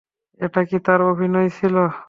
ওটা কী তার অভিনয় ছিল?